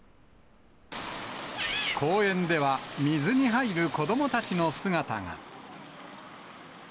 公園では水に入る子どもたちの姿が。